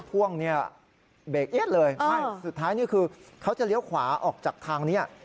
พ่วงเนี่ยเบรกเอี๊ยดเลยไม่สุดท้ายนี่คือเขาจะเลี้ยวขวาออกจากทางนี้